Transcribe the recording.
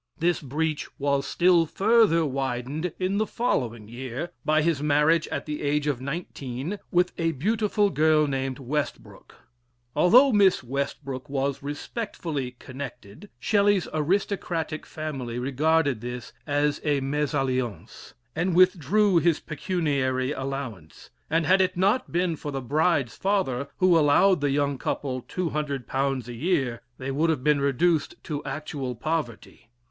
This breach was still further widened in the following year by his marriage, at the age of nineteen, with a beautiful girl named Westbrook. Although Miss Westbrook was respectfully connected, Shelley's aristocratic family regarded this as a mesalliance, and withdrew his pecuniary allowance; and had it not been for the bride's father, who allowed the young couple £200 a year, they would have been reduced to actual poverty.